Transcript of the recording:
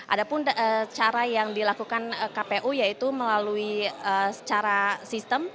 ada pun cara yang dilakukan kpu yaitu melalui secara sistem